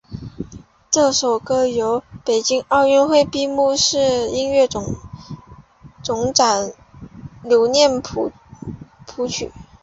这首歌由北京奥运会闭幕式音乐总监卞留念谱曲。